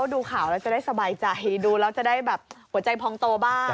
ดูข่าวแล้วจะได้สบายใจดูแล้วจะได้แบบหัวใจพองโตบ้าง